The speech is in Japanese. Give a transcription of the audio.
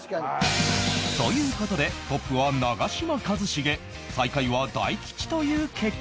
という事でトップは長嶋一茂最下位は大吉という結果に